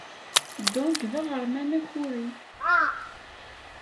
Dong d aɣerman akuri.